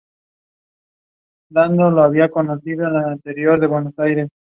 Revistas de rol